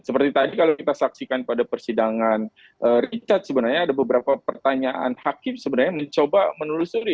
seperti tadi kalau kita saksikan pada persidangan richard sebenarnya ada beberapa pertanyaan hakim sebenarnya mencoba menelusuri